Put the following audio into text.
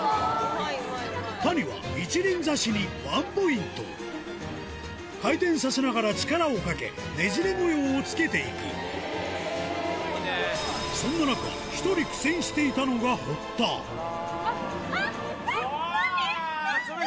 谷は一輪挿しにワンポイント回転させながら力をかけねじれ模様をつけていくそんな中１人苦戦していたのが堀田あっ！